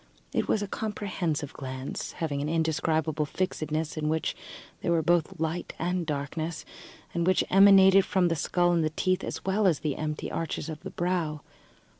It was a comprehensive glance, having an indescribable fixedness in which there were both light and darkness, and which emanated from the skull and teeth, as well as the empty arches of the brow.